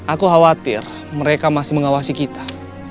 aku khawatir mereka masih mengawasi kita